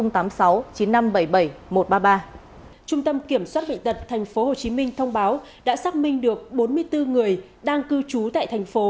trung tâm kiểm soát bệnh tật tp hcm thông báo đã xác minh được bốn mươi bốn người đang cư trú tại thành phố